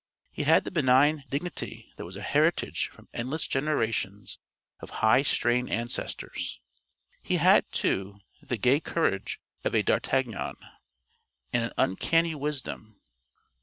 He had the benign dignity that was a heritage from endless generations of high strain ancestors. He had, too, the gay courage of a d'Artagnan, and an uncanny wisdom.